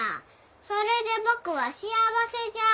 それで僕は幸せじゃあ。